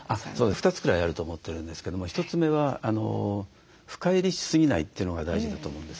２つくらいあると思ってるんですけども１つ目は深入りしすぎないというのが大事だと思うんです。